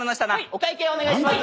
お会計お願いします。